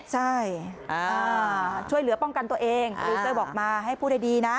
ใช่ช่วยเหลือป้องกันตัวเองโปรดิวเซอร์บอกมาให้พูดให้ดีนะ